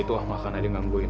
itu lah makan aja gangguin